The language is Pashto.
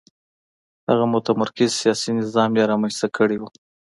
هغه متمرکز سیاسي نظام یې رامنځته کړی و.